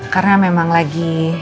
karena memang lagi